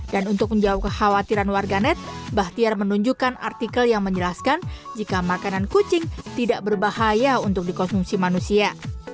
dan untuk menjauh kekhawatiran warganet bahtiar menunjukkan artikel yang menjelaskan jika makanan kucing tidak berbahaya untuk dikonsumsi manusia